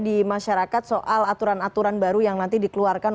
di masyarakat soal aturan aturan baru yang nanti dikeluarkan